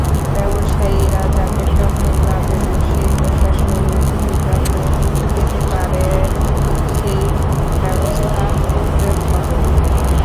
ব্যবসায়ীরা যাতে চট্টগ্রামে বসেই প্রশাসনিক সিদ্ধান্ত পেতে পারেন, সেই ব্যবস্থা করতে হবে।